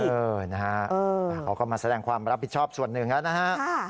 เออนะฮะเขาก็มาแสดงความรับผิดชอบส่วนหนึ่งแล้วนะฮะ